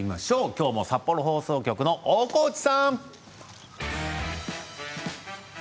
きょうも札幌放送局の大河内さん。